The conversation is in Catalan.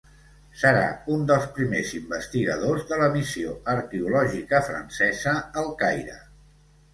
Serà un dels primers investigadors de la Missió Arqueològica Francesa al Caire.